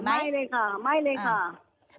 ไม่เลยค่ะไม่เลยค่ะ